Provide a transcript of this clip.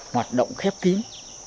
hoạt động khép kín